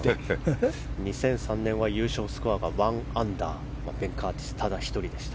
２００３年は優勝スコアが１アンダーベン・カーティスただ１人でした。